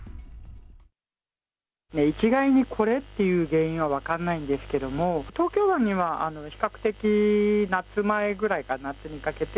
一概にこれっていう原因は分かんないんですけど、東京湾には比較的、夏前ぐらいから夏にかけて、